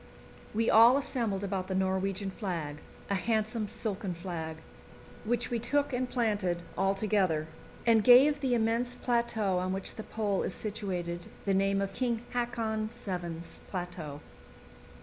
We all assembled about the Norwegian flag a handsome silken flag which we took and planted all together, and gave the immense plateau on which the Pole is situated the name of "King Haakon VII.'s Plateau."